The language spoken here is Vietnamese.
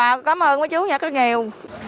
cảm ơn mấy chú nhẹt rất nhiều